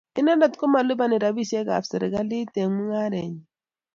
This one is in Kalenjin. Inendet komalipani rabisiek ab serikalit eng mungaret nyin.